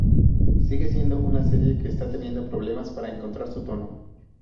Sigue siendo una serie que está teniendo problemas para encontrar su tono.